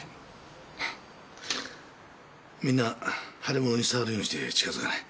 みんな腫れ物に触るようにして近付かない。